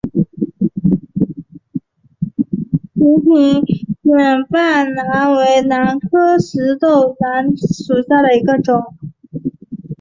瓶壶卷瓣兰为兰科石豆兰属下的一个种。